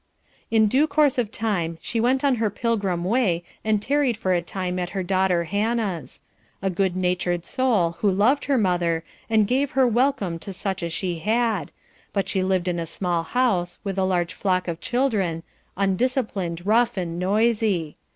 In due course of time she went on her pilgrim way and tarried for a time at her daughter Hannah's; a good natured soul, who loved her mother and gave her welcome to such as she had, but she lived in a small house, with a large flock of children, undisciplined, rough, and noisy.